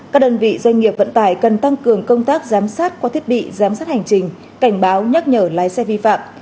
các đơn vị doanh nghiệp vận tải cần tăng cường công tác giám sát qua thiết bị giám sát hành trình cảnh báo nhắc nhở lái xe vi phạm